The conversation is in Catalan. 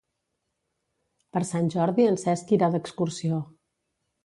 Per Sant Jordi en Cesc irà d'excursió.